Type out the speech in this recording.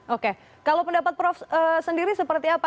oke kalau pendapat prof sendiri seperti apa